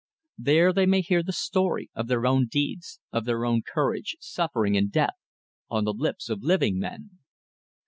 There they may hear the story of their own deeds, of their own courage, suffering and death, on the lips of living men.